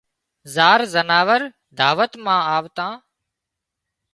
زار زناور دعوت مان آوتان